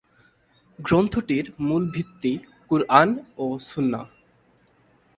গ্রন্থটির মূল ভিত্তি "কুরআন" ও সুন্নাহ।